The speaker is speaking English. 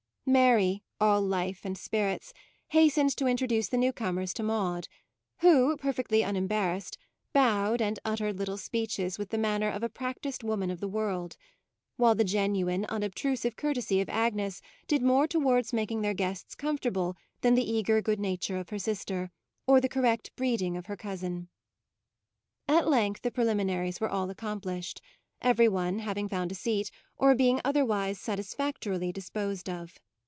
Mary, all life and spirits, hastened to introduce the new comers to Maude; who, perfectly unembarrass ed, bowed and uttered little speeches with the manner of a practised woman of the world; while the genuine, unobstrusive courtesy of Agnes did more towards making their guests comfortable than the eager good nature of her sister, or the cor rect breeding of her cousin. At length the preliminaries were all accomplished, every one having found a seat, or being otherwise satisfactorily disposed of.